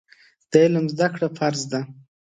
د علم زده کړه فرض ده.